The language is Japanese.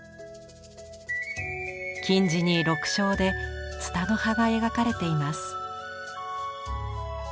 金地に緑青で蔦の葉が描かれています。